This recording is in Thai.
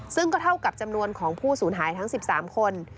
ซึ่งก็เท่ากับจำนวนของผู้สูญหายทั้ง๑๓คน